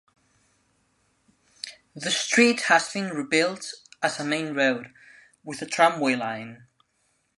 The street has been rebuilt as a main road, with a tramway line.